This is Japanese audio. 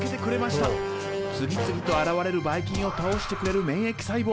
次々と現れるバイ菌を倒してくれる免疫細胞。